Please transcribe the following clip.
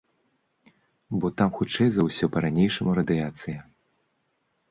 Бо там хутчэй за ўсё па-ранейшаму радыяцыя.